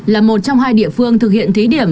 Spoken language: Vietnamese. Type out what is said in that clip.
là một trong hai địa phương thực hiện thí điểm